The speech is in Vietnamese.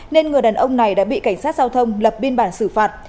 nên người đàn ông này đã bị cảnh sát giao thông lập biên bản xử phạt